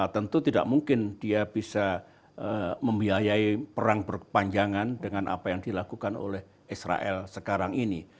tentu tidak mungkin dia bisa membiayai perang berkepanjangan dengan apa yang dilakukan oleh israel sekarang ini